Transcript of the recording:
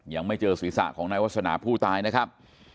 ยังไม่เจอศีรษะของนายวาสนาผู้ตายนะครับ